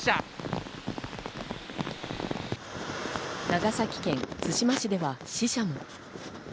長崎県対馬市では死者も。